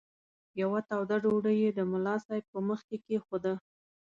یوه توده ډوډۍ یې د ملا صاحب په مخ کې کښېښوده.